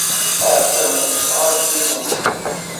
Sserfan-t s tɣaltin-nsen.